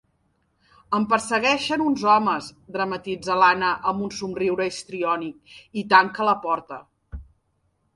Em persegueixen uns homes —dramatitza l'Anna amb un somriure histriònic, i tanca la porta.